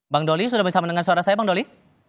bang doli sudah bisa mendengar suara saya bang doli